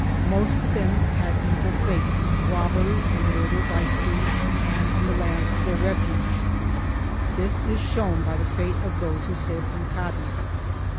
Most of them had evil fate, robbery and murder by sea and in the lands of their refuge. This is shown by the fate of those who sailed from Cadiz.